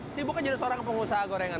sibuk jadi seorang pengusaha gorengan